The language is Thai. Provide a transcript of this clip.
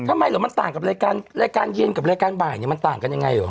ทำไมเหรอมันต่างกับรายการรายการเย็นกับรายการบ่ายเนี่ยมันต่างกันยังไงเหรอ